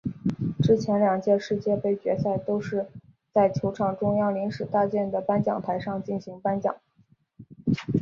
之前两届世界杯决赛都是在球场中央临时搭建的颁奖台上进行颁奖。